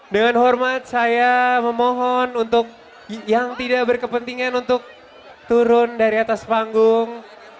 dengan hormat saya memohon untuk yang tidak berkepentingan untuk turun dari atas panggung